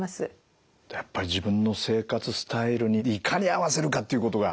やっぱり自分の生活スタイルにいかに合わせるかっていうことが。